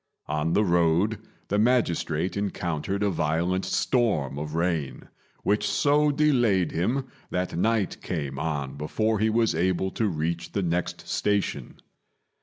On the road the magistrate encountered a violent storm of rain, which so delayed him that night came on before he was able to reach the next station.